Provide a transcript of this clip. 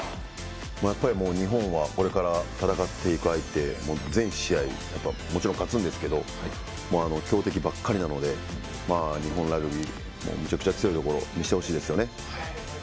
やっぱり、日本はこれから戦っていく相手全試合、もちろん勝つんですけど強敵ばっかりなので日本ラグビーむちゃくちゃ強いところ見せてほしいですね。